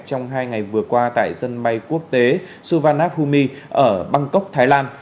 trong hai ngày vừa qua tại dân bay quốc tế suvarnabhumi ở bangkok thái lan